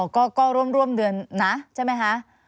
ก็ร่วมเดือนนะใช่ไหมคะ